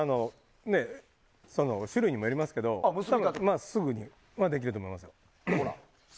種類にもよりますがすぐにはできると思います。